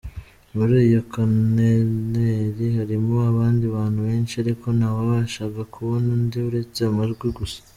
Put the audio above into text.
Muri iyo konteneri harimo abandi bantu benshi ariko ntawabashaga kubona undi uretse amajwi gusa.